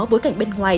bối cảnh bên ngoài